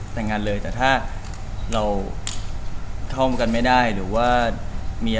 แต่ถ้าเราเค้ากันไม่ได้